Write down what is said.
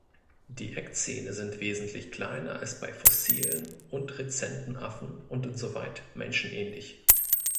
Die Eckzähne sind wesentlich kleiner als bei fossilen und rezenten Affen und insoweit menschenähnlich.